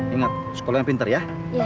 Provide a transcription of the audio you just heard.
ingat sekolah yang pintar ya